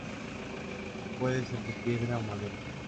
Puede ser de piedra o madera.